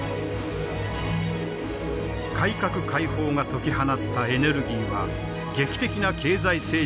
改革開放が解き放ったエネルギーは劇的な経済成長を実現。